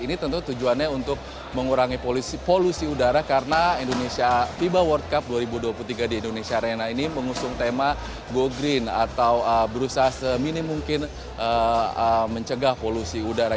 ini tentu tujuannya untuk mengurangi polusi udara karena fiba world cup dua ribu dua puluh tiga di indonesia arena ini mengusung tema go green atau berusaha seminim mungkin mencegah polusi udara